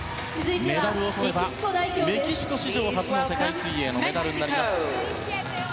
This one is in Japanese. メダルをとればメキシコ史上初の世界水泳のメダルになります。